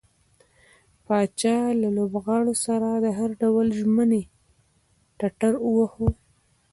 پاچا له لوبغاړو سره د هر ډول ژمنې ټټر واوهه.